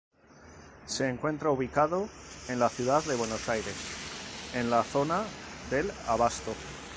Se encuentra ubicado en la ciudad de Buenos Aires, en la zona del Abasto.